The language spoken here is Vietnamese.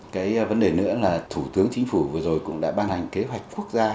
cái vấn đề nữa là thủ tướng chính phủ vừa rồi cũng đã ban hành kế hoạch quốc gia